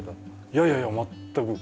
いやいやいや全く。